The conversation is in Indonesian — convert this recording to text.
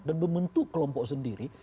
dan membentuk kelompok sendiri